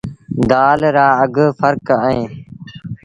دآل رآ اگھ ڦرڪ اهيݩ ۔